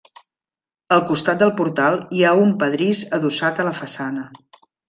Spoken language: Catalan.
Al costat del portal hi ha un pedrís adossat a la façana.